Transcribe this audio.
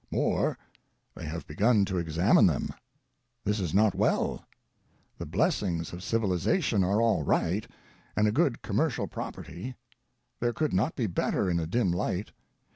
More — they have begun to examine them. This is not well. The Blessings of Civilization are all right, and a good commercial property ; there could not be a better, in a dim light.